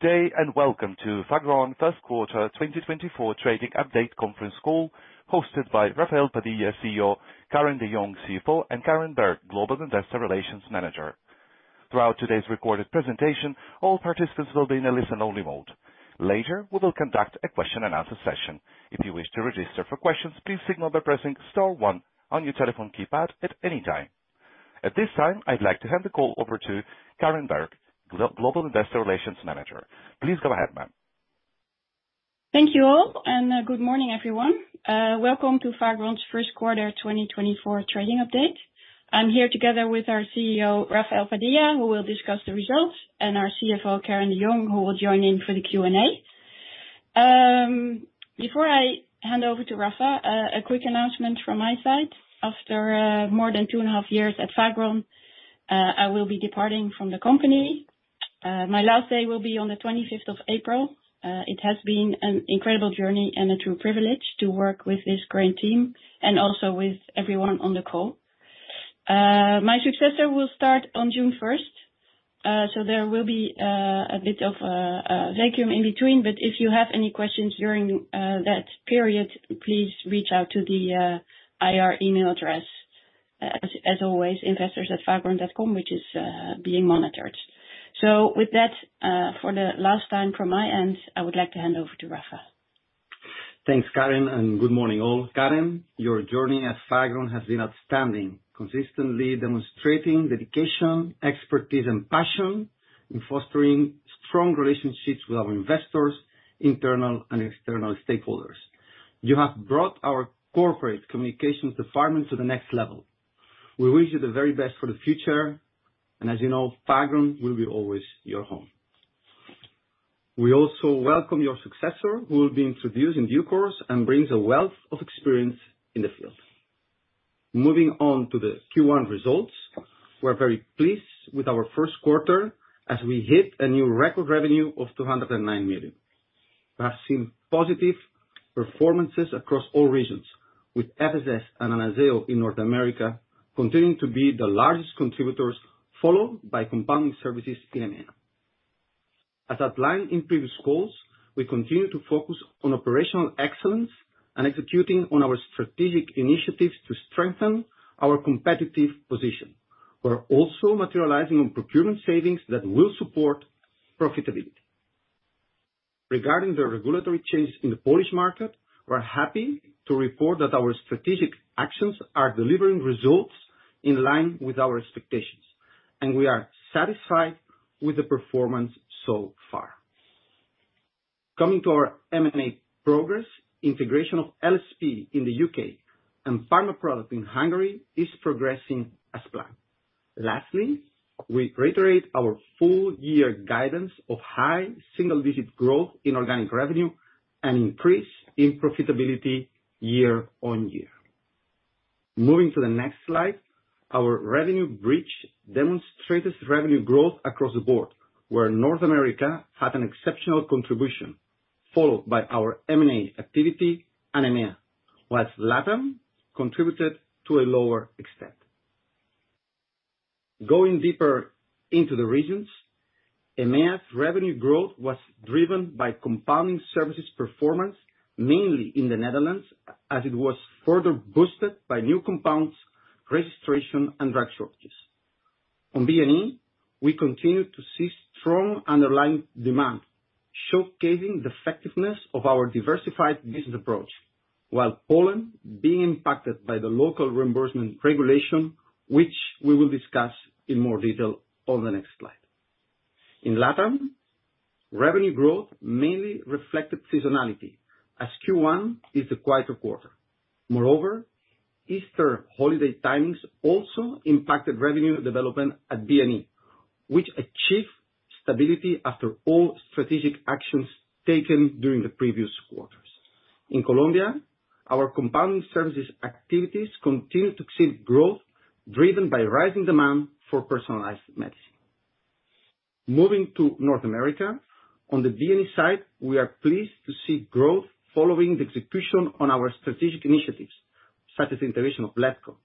Good day and welcome to Fagron first quarter 2024 trading update conference call hosted by Rafael Padilla, CEO; Karin de Jong, CFO; and Karin Berg, Global Investor Relations Manager. Throughout today's recorded presentation, all participants will be in a listen-only mode. Later, we will conduct a question-and-answer session. If you wish to register for questions, please signal by pressing star one on your telephone keypad at any time. At this time, I'd like to hand the call over to Karen Berg, Global Investor Relations Manager. Please go ahead, ma'am. Thank you all, and good morning, everyone. Welcome to Fagron's first quarter 2024 trading update. I'm here together with our CEO, Rafael Padilla, who will discuss the results, and our CFO, Karin de Jong, who will join in for the Q&A. Before I hand over to Rafa, a quick announcement from my side. After more than 2 1/2 years at Fagron, I will be departing from the company. My last day will be on the 25th of April. It has been an incredible journey and a true privilege to work with this great team and also with everyone on the call. My successor will start on June 1st, so there will be a bit of a vacuum in between. But if you have any questions during that period, please reach out to the IR email address, as always, investors@fagron.com, which is being monitored. With that, for the last time from my end, I would like to hand over to Rafa. Thanks, Karen, and good morning, all. Karen, your journey at Fagron has been outstanding, consistently demonstrating dedication, expertise, and passion in fostering strong relationships with our investors, internal and external stakeholders. You have brought our corporate communications department to the next level. We wish you the very best for the future, and as you know, Fagron will be always your home. We also welcome your successor, who will be introduced in due course and brings a wealth of experience in the field. Moving on to the Q1 results, we're very pleased with our first quarter as we hit a new record revenue of 209 million. We have seen positive performances across all regions, with FSS and Anazao in North America continuing to be the largest contributors, followed by compounding services in EMEA. As outlined in previous calls, we continue to focus on operational excellence and executing on our strategic initiatives to strengthen our competitive position. We're also materializing on procurement savings that will support profitability. Regarding the regulatory changes in the Polish market, we're happy to report that our strategic actions are delivering results in line with our expectations, and we are satisfied with the performance so far. Coming to our M&A progress, integration of LSP in the UK and Pharma-Produkt in Hungary is progressing as planned. Lastly, we reiterate our full-year guidance of high single-digit growth in organic revenue and increase in profitability year on year. Moving to the next slide, our revenue bridge demonstrates revenue growth across the board, where North America had an exceptional contribution, followed by our M&A activity and EMEA, whilst Latin contributed to a lower extent. Going deeper into the regions, EMEA's revenue growth was driven by compounding services performance, mainly in the Netherlands, as it was further boosted by new compounds, registration, and drug shortages. On B&E, we continue to see strong underlying demand showcasing the effectiveness of our diversified business approach, while Poland being impacted by the local reimbursement regulation, which we will discuss in more detail on the next slide. In Latin, revenue growth mainly reflected seasonality, as Q1 is the quieter quarter. Moreover, Easter holiday timings also impacted revenue development at B&E, which achieved stability after all strategic actions taken during the previous quarters. In Colombia, our compounding services activities continue to exceed growth driven by rising demand for personalized medicine. Moving to North America, on the B&E side, we are pleased to see growth following the execution on our strategic initiatives, such as the integration of Letco,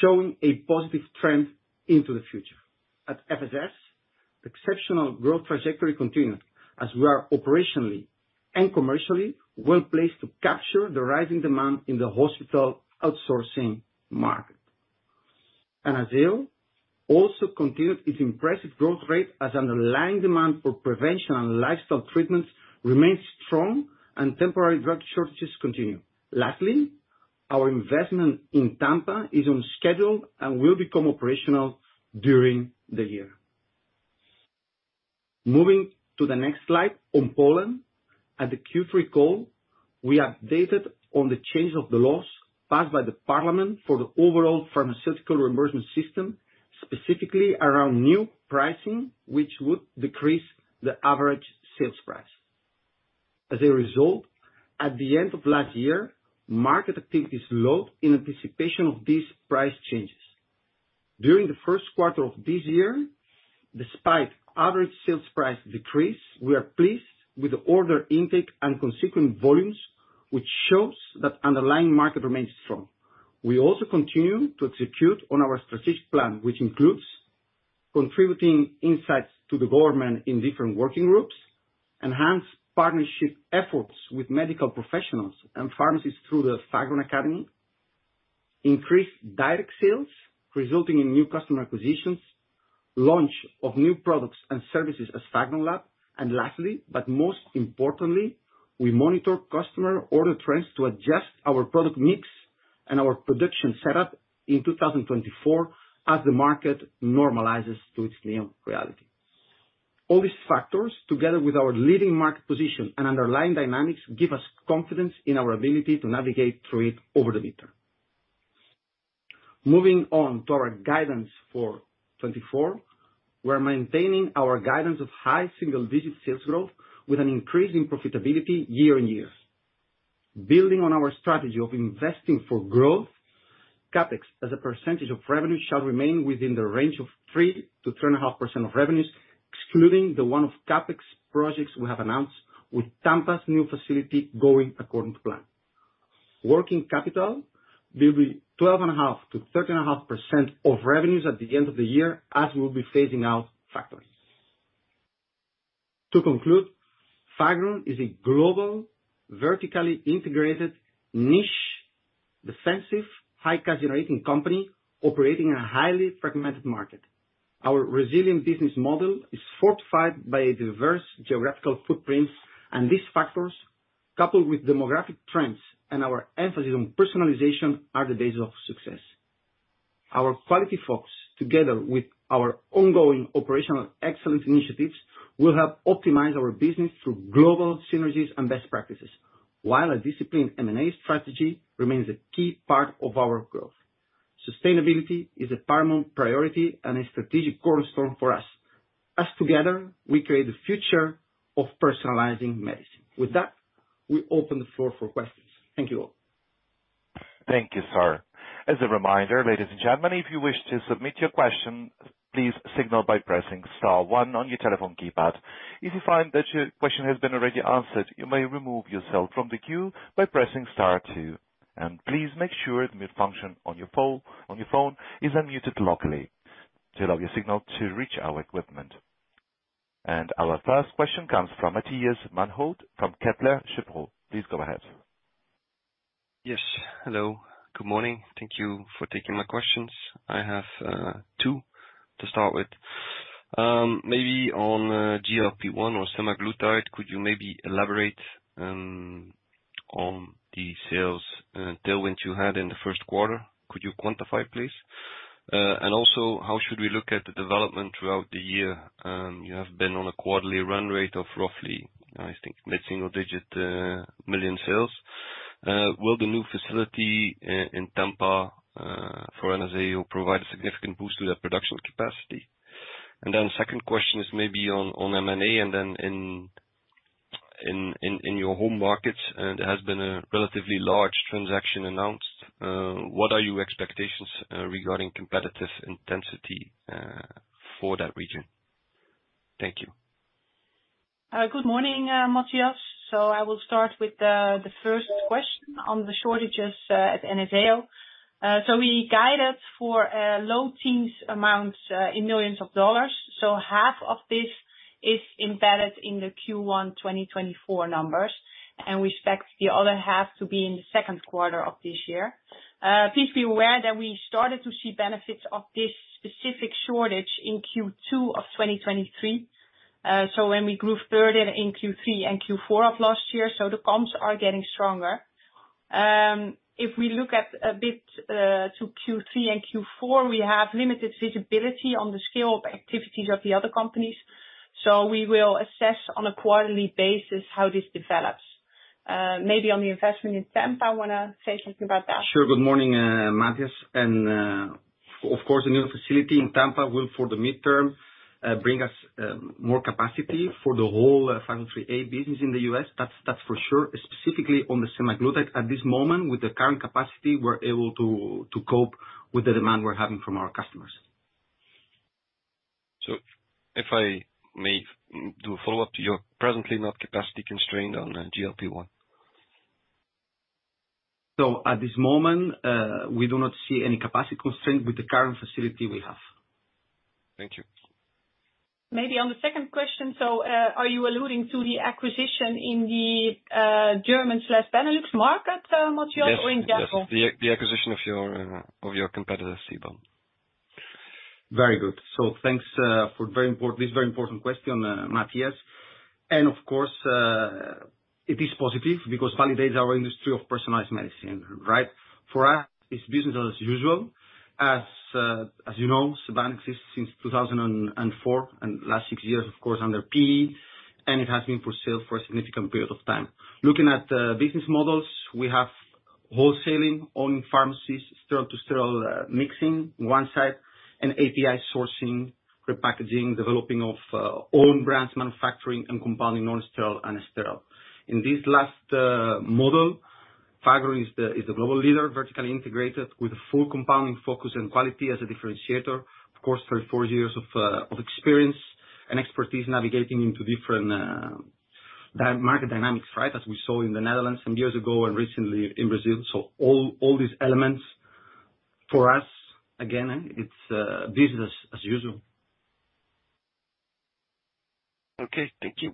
showing a positive trend into the future. At FSS, the exceptional growth trajectory continued as we are operationally and commercially well-placed to capture the rising demand in the hospital outsourcing market. Anazao also continued its impressive growth rate as underlying demand for prevention and lifestyle treatments remains strong, and temporary drug shortages continue. Lastly, our investment in Tampa is on schedule and will become operational during the year. Moving to the next slide, on Poland, at the Q3 call, we updated on the change of the laws passed by the parliament for the overall pharmaceutical reimbursement system, specifically around new pricing, which would decrease the average sales price. As a result, at the end of last year, market activity slowed in anticipation of these price changes. During the first quarter of this year, despite average sales price decrease, we are pleased with the order intake and consequent volumes, which shows that underlying market remains strong. We also continue to execute on our strategic plan, which includes contributing insights to the government in different working groups, enhanced partnership efforts with medical professionals and pharmacists through the Fagron Academy, increased direct sales, resulting in new customer acquisitions, launch of new products and services as Fagron Lab, and lastly, but most importantly, we monitor customer order trends to adjust our product mix and our production setup in 2024 as the market normalizes to its new reality. All these factors, together with our leading market position and underlying dynamics, give us confidence in our ability to navigate through it over the midterm. Moving on to our guidance for 2024, we're maintaining our guidance of high single-digit sales growth with an increase in profitability year on year. Building on our strategy of investing for growth, CAPEX as a percentage of revenue shall remain within the range of 3%-3.5% of revenues, excluding the one-off CAPEX projects we have announced, with Tampa's new facility going according to plan. Working capital will be 12.5%-13.5% of revenues at the end of the year, as we will be phasing out factories. To conclude, Fagron is a global, vertically integrated, niche, defensive, high-cash-generating company operating in a highly fragmented market. Our resilient business model is fortified by a diverse geographical footprint, and these factors, coupled with demographic trends and our emphasis on personalization, are the basis of success. Our quality focus, together with our ongoing operational excellence initiatives, will help optimize our business through global synergies and best practices, while a disciplined M&A strategy remains a key part of our growth. Sustainability is a paramount priority and a strategic cornerstone for us. As together, we create the future of personalizing medicine. With that, we open the floor for questions. Thank you all. Thank you, Sir. As a reminder, ladies and gentlemen, if you wish to submit your questions, please signal by pressing star one on your telephone keypad. If you find that your question has been already answered, you may remove yourself from the queue by pressing star two. And please make sure the mute function on your phone on your phone is unmuted locally to allow your signal to reach our equipment. And our first question comes from Matthias Maenhaut from Kepler Cheuvreux. Please go ahead.. Yes. Hello. Good morning. Thank you for taking my questions. I have two to start with. Maybe on GLP-1 or semaglutide, could you maybe elaborate on the sales tailwinds you had in the first quarter? Could you quantify, please? And also, how should we look at the development throughout the year? You have been on a quarterly run rate of roughly, I think, mid-single-digit million sales. Will the new facility in Tampa for Anazao provide a significant boost to their production capacity? And then the second question is maybe on M&A and then in your home markets, there has been a relatively large transaction announced. What are your expectations regarding competitive intensity for that region? Thank you. Good morning, Matthias. So I will start with the first question on the shortages at Anazao. So we guided for low teens amounts in EUR millions. So half of this is embedded in the Q1 2024 numbers, and we expect the other half to be in the second quarter of this year. Please be aware that we started to see benefits of this specific shortage in Q2 of 2023, so when we grew 30% in Q3 and Q4 of last year. So the comps are getting stronger. If we look ahead to Q3 and Q4, we have limited visibility on the scale of activities of the other companies. So we will assess on a quarterly basis how this develops. Maybe on the investment in Tampa, I wanna say something about that. Sure. Good morning, Matthias. Of course, the new facility in Tampa will, for the midterm, bring us more capacity for the whole 503A business in the U.S. That's, that's for sure. Specifically on the semaglutide, at this moment, with the current capacity, we're able to cope with the demand we're having from our customers. So if I may do a follow-up to your presently not capacity constrained on GLP-1. At this moment, we do not see any capacity constraint with the current facility we have. Thank you. Maybe on the second question. So, are you alluding to the acquisition in the German/Benelux market, Matthias, or in general? Yes. Yes. Yes. The acquisition of your competitor, Cebon. Very good. So thanks for this very important question, Matthias. And of course, it is positive because it validates our industry of personalized medicine, right? For us, it's business as usual. As you know, Cebon exists since 2004 and last six years, of course, under PE, and it has been for sale for a significant period of time. Looking at business models, we have wholesaling, own pharmacies, sterile-to-sterile, mixing on one side, and API sourcing, repackaging, developing of own brands, manufacturing, and compounding non-sterile and sterile. In this last model, Fagron is the global leader, vertically integrated, with a full compounding focus and quality as a differentiator. Of course, 34 years of experience and expertise navigating different market dynamics, right, as we saw in the Netherlands some years ago and recently in Brazil. So all these elements for us, again, it's business as usual. Okay. Thank you.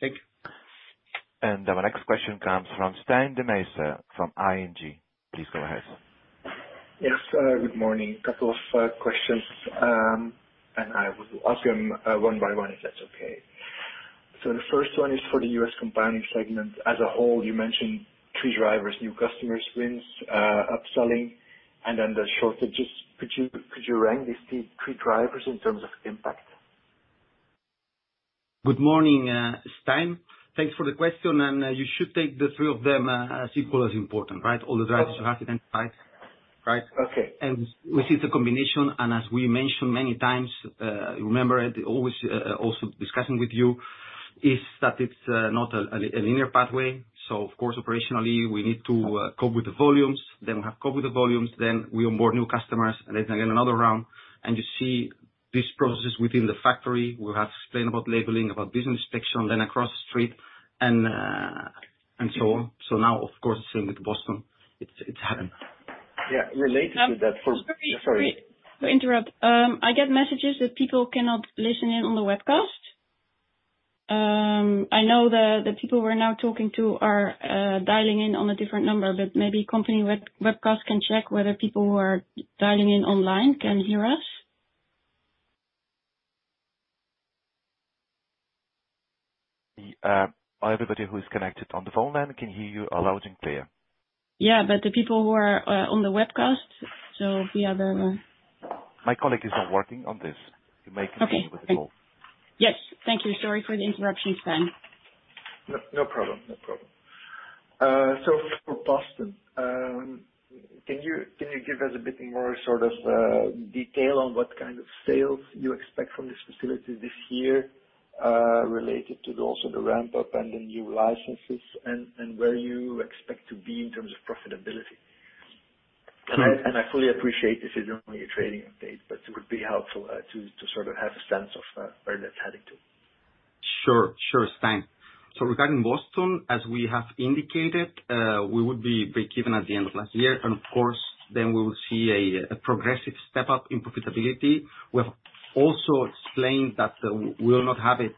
Thank you. Our next question comes from Stijn Demeester from ING. Please go ahead. Yes. Good morning. Couple of questions, and I will ask them one by one if that's okay. So the first one is for the U.S. compounding segment as a whole. You mentioned three drivers, new customers wins, upselling, and then the shortages. Could you rank these three drivers in terms of impact? Good morning, Stijn. Thanks for the question. You should take the three of them, as equal as important, right, all the drivers you have identified, right? Okay. We see it's a combination. And as we mentioned many times, remember it, always, also discussing with you, is that it's not a linear pathway. So, of course, operationally, we need to cope with the volumes. Then we have to cope with the volumes. Then we onboard new customers. And it's again another round. And you see these processes within the factory. We have explained about labeling, about business inspection, then across the street, and so on. So now, of course, the same with Boston. It's happened. Yeah. Related to that for. I'm sorry. Sorry. To interrupt, I get messages that people cannot listen in on the webcast. I know the people we're now talking to are dialing in on a different number, but maybe company webcast can check whether people who are dialing in online can hear us. Then, is everybody who is connected on the phone? Can you hear me loud and clear? Yeah. But the people who are on the webcast, so we have a. My colleague is not working on this. He may continue with the call. Okay. Yes. Thank you. Sorry for the interruption, Stijn. No problem. No problem. So for Boston, can you give us a bit more sort of detail on what kind of sales you expect from this facility this year, related to also the ramp-up and the new licenses and where you expect to be in terms of profitability? And I fully appreciate if you don't need a trading update, but it would be helpful to sort of have a sense of where that's heading to. Sure, Stijn. So regarding Boston, as we have indicated, we would be break-even at the end of last year. And of course, then we will see a progressive step-up in profitability. We have also explained that, we'll not have it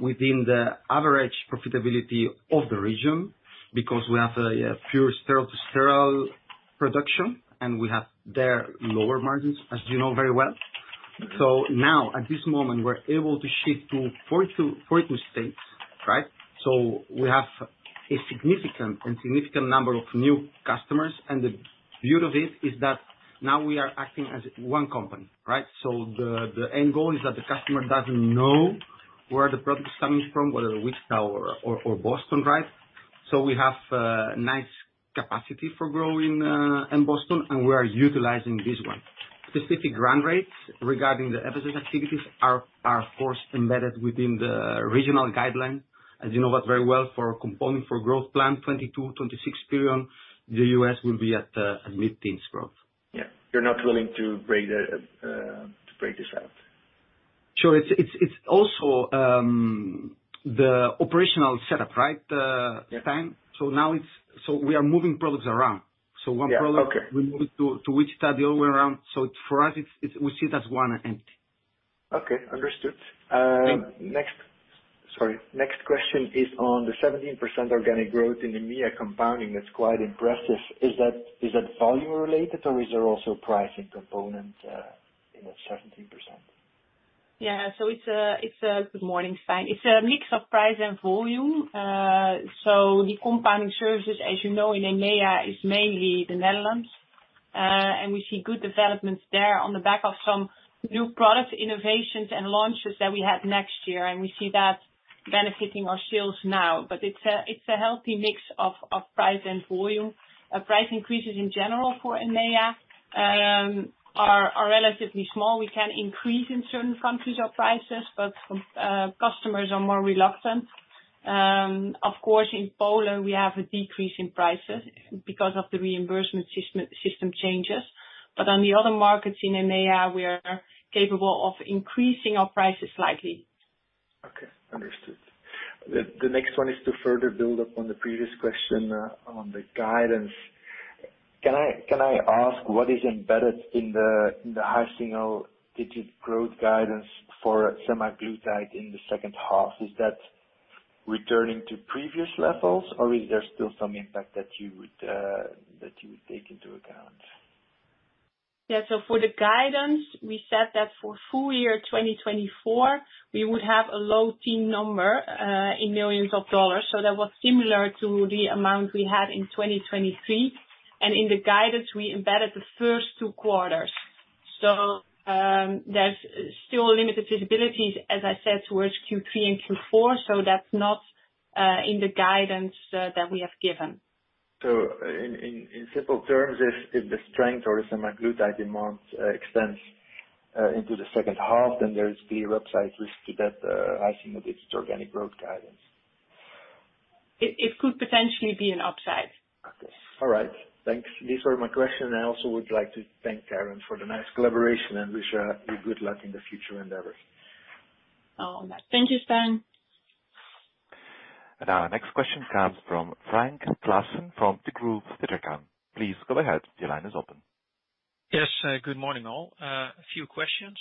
within the average profitability of the region because we have a pure sterile-to-sterile production, and we have there lower margins, as you know very well. So now, at this moment, we're able to shift to 42 states, right? So we have a significant and significant number of new customers. And the beauty of it is that now we are acting as one company, right? So the end goal is that the customer doesn't know where the product is coming from, whether Wichita or Boston, right? So we have nice capacity for growing in Boston, and we are utilizing this one. Specific run rates regarding the FSS activities are, of course, embedded within the regional guidelines, as you know that very well, for compounding for growth plan 2022-2026 period, the U.S. will be at mid-teens growth. Yeah. You're not willing to break that, to break this out? Sure. It's also the operational setup, right, Stijn? Yeah. So now it's so we are moving products around. One product. Yeah. Okay. We moved it to Wichita, the other way around. So for us, it's we see it as one entity. Okay. Understood. Thank you. Next, sorry. Next question is on the 17% organic growth in EMEA compounding. That's quite impressive. Is that volume-related, or is there also a pricing component in that 17%? Yeah. So it's good morning, Stijn. It's a mix of price and volume. So the compounding services, as you know, in EMEA is mainly the Netherlands. And we see good developments there on the back of some new product innovations and launches that we have next year. And we see that benefiting our sales now. But it's a healthy mix of price and volume. Price increases in general for EMEA are relatively small. We can increase our prices in certain countries, but some customers are more reluctant. Of course, in Poland, we have a decrease in prices because of the reimbursement system changes. But on the other markets in EMEA, we are capable of increasing our prices slightly. Okay. Understood. The next one is to further build up on the previous question, on the guidance. Can I ask, what is embedded in the high-single-digit growth guidance for Semaglutide in the second half? Is that returning to previous levels, or is there still some impact that you would take into account? Yeah. So for the guidance, we set that for full year 2024, we would have a low-teen number in EUR millions. So that was similar to the amount we had in 2023. And in the guidance, we embedded the first two quarters. So, there's still limited visibility, as I said, towards Q3 and Q4. So that's not in the guidance that we have given. So, in simple terms, if the strength or the semaglutide demand extends into the second half, then there is clear upside risk to that, high-single-digit organic growth guidance? It could potentially be an upside. Okay. All right. Thanks. These were my questions. I also would like to thank Karin for the nice collaboration and wish her you good luck in the future endeavors. Oh, all right. Thank you, Stijn. Our next question comes from Frank Claassen from Degroof Petercam. Please go ahead. Your line is open. Yes. Good morning, all. A few questions.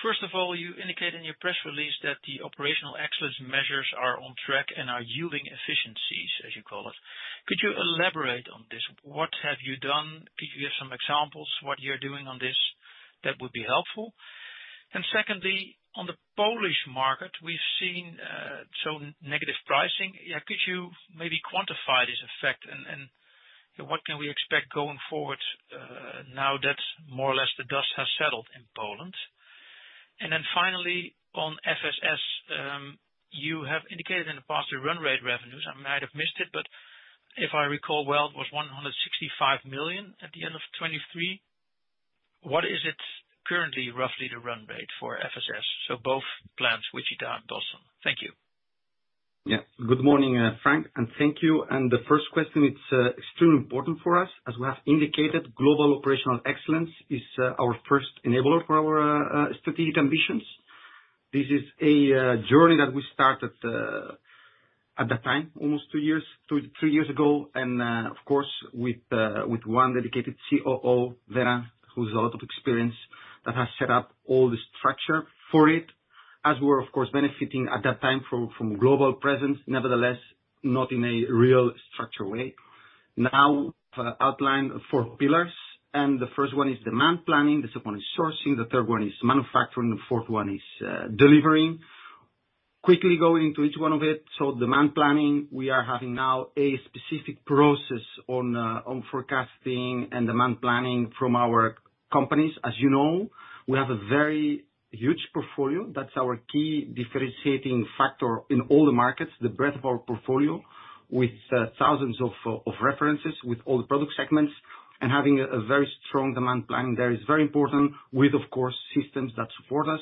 First of all, you indicate in your press release that the operational excellence measures are on track and are yielding efficiencies, as you call it. Could you elaborate on this? What have you done? Could you give some examples what you're doing on this that would be helpful? And secondly, on the Polish market, we've seen, so negative pricing. Yeah. Could you maybe quantify this effect and, you know, what can we expect going forward, now that more or less the dust has settled in Poland? And then finally, on FSS, you have indicated in the past the run rate revenues. I might have missed it, but if I recall well, it was 165 million at the end of 2023. What is it currently, roughly, the run rate for FSS, so both plants, Wichita and Boston? Thank you. Yeah. Good morning, Frank. And thank you. And the first question, it's extremely important for us. As we have indicated, global operational excellence is our first enabler for our strategic ambitions. This is a journey that we started at that time, almost two years, two to three years ago. And, of course, with one dedicated COO, Vera, who's a lot of experience, that has set up all the structure for it, as we were, of course, benefiting at that time from global presence, nevertheless, not in a real structured way. Now, we've outlined four pillars. And the first one is demand planning. The second one is sourcing. The third one is manufacturing. The fourth one is delivering. Quickly going into each one of it. So demand planning, we are having now a specific process on forecasting and demand planning from our companies. As you know, we have a very huge portfolio. That's our key differentiating factor in all the markets, the breadth of our portfolio with thousands of references with all the product segments. And having a very strong demand planning there is very important with, of course, systems that support us.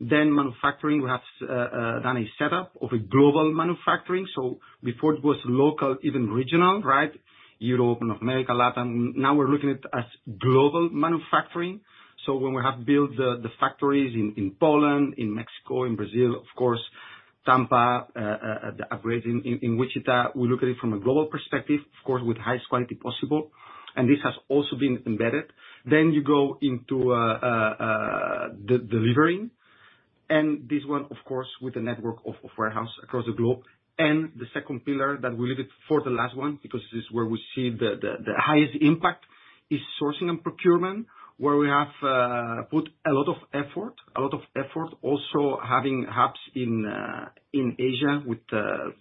Then manufacturing, we have done a setup of a global manufacturing. So before it was local, even regional, right, Europe, North America, Latin, now we're looking at it as global manufacturing. So when we have built the factories in Poland, in Mexico, in Brazil, of course, Tampa, the upgrades in Wichita, we look at it from a global perspective, of course, with highest quality possible. And this has also been embedded. Then you go into the delivering. And this one, of course, with a network of warehouse across the globe. And the second pillar that we leave it for the last one because this is where we see the highest impact is sourcing and procurement, where we have put a lot of effort, a lot of effort, also having hubs in Asia with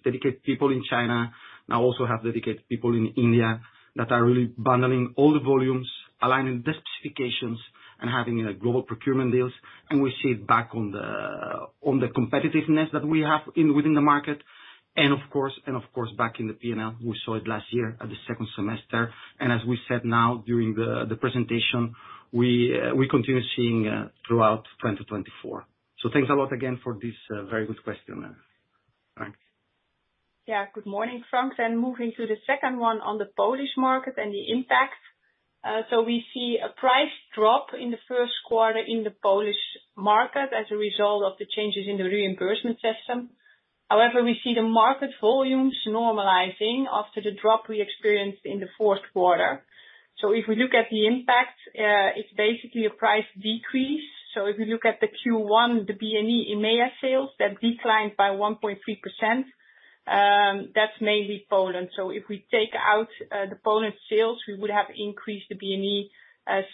dedicated people in China. Now also have dedicated people in India that are really bundling all the volumes, aligning the specifications, and having global procurement deals. And we see it back on the competitiveness that we have within the market. And of course, back in the P&L, we saw it last year at the second semester. And as we said now during the presentation, we continue seeing throughout 2024. So thanks a lot again for this very good question, Frank. Yeah. Good morning, Frank. Then moving to the second one on the Polish market and the impact. So we see a price drop in the first quarter in the Polish market as a result of the changes in the reimbursement system. However, we see the market volumes normalizing after the drop we experienced in the fourth quarter. So if we look at the impact, it's basically a price decrease. So if you look at the Q1, the B&E EMEA sales that declined by 1.3%, that's mainly Poland. So if we take out the Poland sales, we would have increased the B&E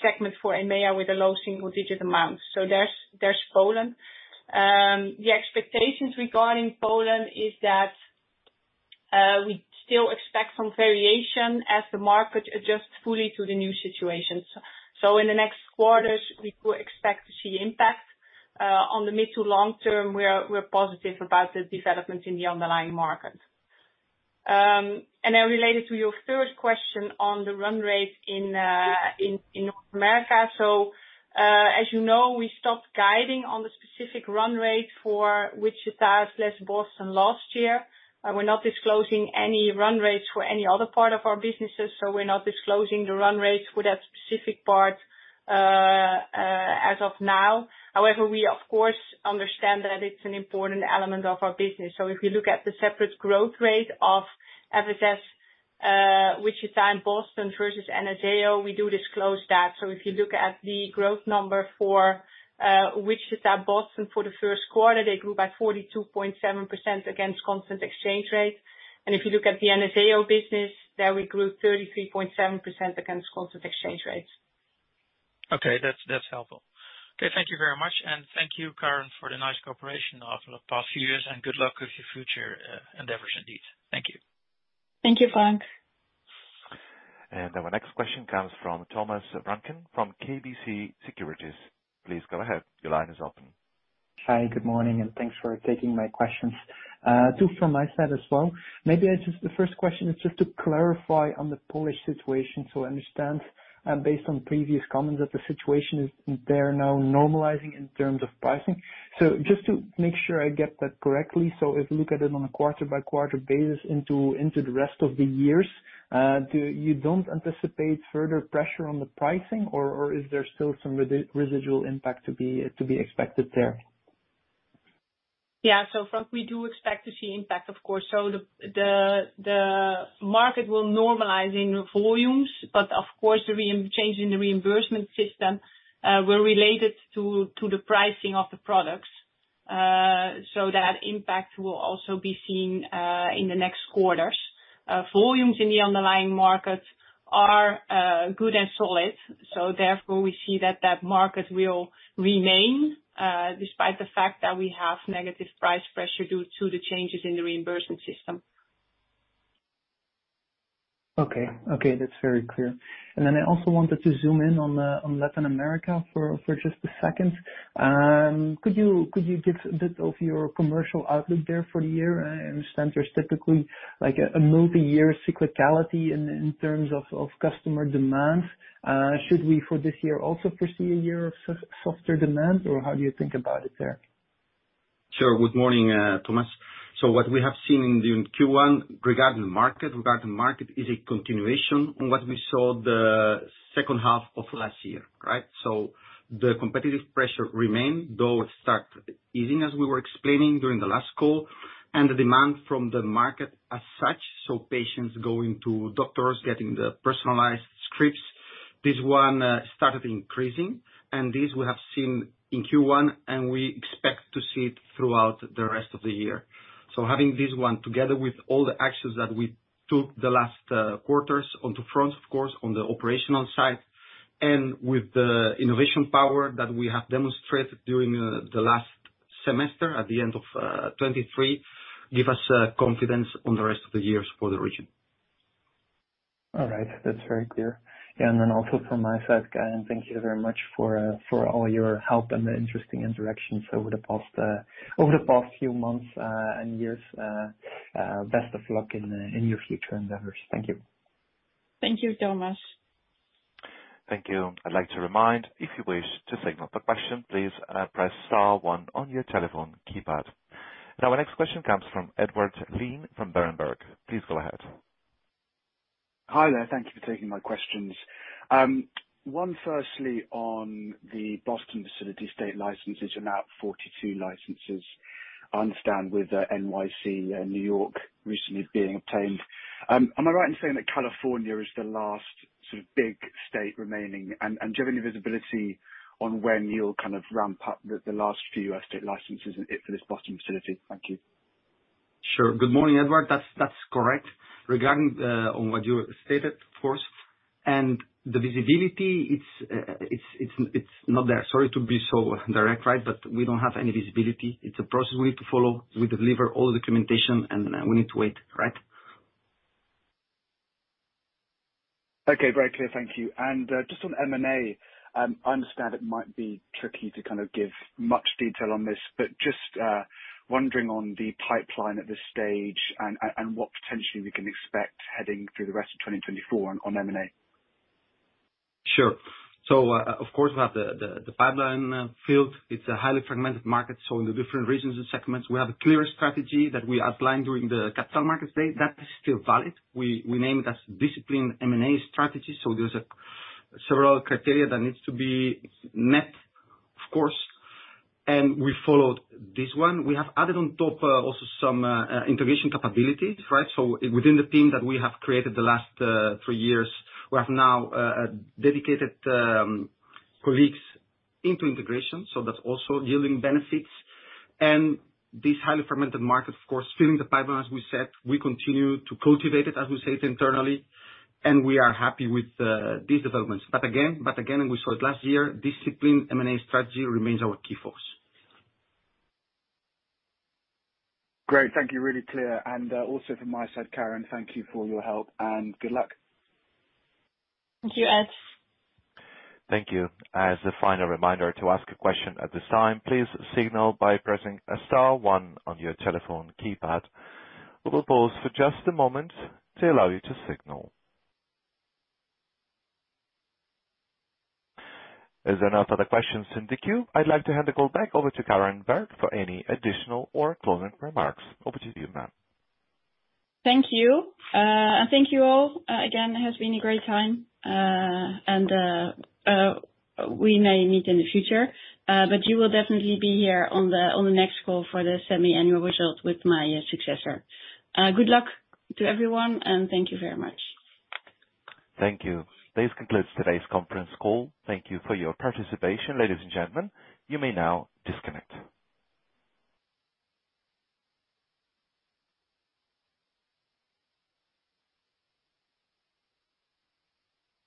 segment for EMEA with a low single-digit amount. So there's Poland. The expectations regarding Poland is that we still expect some variation as the market adjusts fully to the new situation. So in the next quarters, we do expect to see impact. On the mid- to long-term, we're positive about the developments in the underlying market. And then, related to your third question on the run rate in North America, so, as you know, we stopped guiding on the specific run rate for Wichita/Boston last year. We're not disclosing any run rates for any other part of our businesses, so we're not disclosing the run rates for that specific part, as of now. However, we, of course, understand that it's an important element of our business. So if you look at the separate growth rate of FSS, Wichita and Boston versus Anazao, we do disclose that. So if you look at the growth number for Wichita/Boston for the first quarter, they grew by 42.7% against constant exchange rate. And if you look at the Anazao business, there we grew 33.7% against constant exchange rates. Okay. That's, that's helpful. Okay. Thank you very much. And thank you, Karin, for the nice cooperation over the past few years. And good luck with your future endeavors, indeed. Thank you. Thank you, Frank. Our next question comes from Thomas Vranken from KBC Securities. Please go ahead. Your line is open. Hi. Good morning. Thanks for taking my questions. Two from my side as well. Maybe just the first question is to clarify on the Polish situation so I understand, based on previous comments, that the situation is there now normalizing in terms of pricing. So just to make sure I get that correctly, so if we look at it on a quarter-by-quarter basis into the rest of the year, do you not anticipate further pressure on the pricing, or is there still some residual impact to be expected there? Yeah. So, Frank, we do expect to see impact, of course. So the market will normalize in volumes. But of course, the reimbursement changes in the reimbursement system were related to the pricing of the products. So that impact will also be seen in the next quarters. Volumes in the underlying markets are good and solid. So therefore, we see that that market will remain despite the fact that we have negative price pressure due to the changes in the reimbursement system. Okay. That's very clear. And then I also wanted to zoom in on Latin America for just a second. Could you give a bit of your commercial outlook there for the year? I understand there's typically, like, a multi-year cyclicality in terms of customer demand. Should we for this year also foresee a year of softer demand, or how do you think about it there? Sure. Good morning, Thomas. So what we have seen in the Q1 regarding market is a continuation on what we saw the second half of last year, right? So the competitive pressure remained, though it start easing, as we were explaining during the last call, and the demand from the market as such. So patients going to doctors, getting the personalized scripts. This one, started increasing. And this we have seen in Q1, and we expect to see it throughout the rest of the year. So having this one together with all the actions that we took the last quarters on two fronts, of course, on the operational side and with the innovation power that we have demonstrated during the last semester at the end of 2023 give us confidence on the rest of the years for the region. All right. That's very clear. Yeah. And then also from my side, Karin, thank you very much for all your help and the interesting interactions over the past few months and years. Best of luck in your future endeavors. Thank you. Thank you, Thomas. Thank you. I'd like to remind, if you wish to signal the question, please, press star one on your telephone keypad. Now, our next question comes from Edward Leane from Berenberg. Please go ahead. Hi there. Thank you for taking my questions. One, firstly, on the Boston facility state licenses. You're now at 42 licenses. I understand with NYC, New York recently being obtained. Am I right in saying that California is the last sort of big state remaining? And, and do you have any visibility on when you'll kind of ramp up the, the last few U.S. state licenses for this Boston facility? Thank you. Sure. Good morning, Edward. That's correct regarding on what you stated, of course. And the visibility, it's not there. Sorry to be so direct, right? But we don't have any visibility. It's a process we need to follow. We deliver all the documentation, and we need to wait, right? Okay. Very clear. Thank you. And just on M&A, I understand it might be tricky to kind of give much detail on this, but just wondering on the pipeline at this stage and what potentially we can expect heading through the rest of 2024 on M&A? Sure. So, of course, we have the pipeline field. It's a highly fragmented market. So in the different regions and segments, we have a clear strategy that we outlined during the capital markets day. That is still valid. We name it as disciplined M&A strategy. So there's several criteria that needs to be met, of course. And we followed this one. We have added on top also some integration capabilities, right? So within the team that we have created the last three years, we have now dedicated colleagues into integration. So that's also yielding benefits. And this highly fragmented market, of course, filling the pipeline, as we said, we continue to cultivate it, as we say, internally. And we are happy with these developments. But again, and we saw it last year, disciplined M&A strategy remains our key focus. Great. Thank you. Really clear. Also from my side, Karin, thank you for your help. Good luck. Thank you, Ed. Thank you. As a final reminder to ask a question at this time, please signal by pressing a star one on your telephone keypad. We will pause for just a moment to allow you to signal. Is there no further questions in the queue? I'd like to hand the call back over to Karen Berg for any additional or closing remarks. Over to you, ma'am. Thank you. And thank you all again. It has been a great time. And we may meet in the future. But you will definitely be here on the next call for the semiannual result with my successor. Good luck to everyone, and thank you very much. Thank you. This concludes today's conference call. Thank you for your participation, ladies and gentlemen. You may now disconnect.